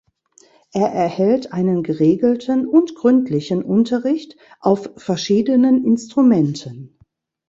Er erhält einen geregelten und gründlichen Unterricht auf verschiedenen Instrumenten.